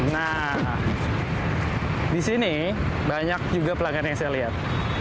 nah disini banyak juga pelanggan yang saya lihat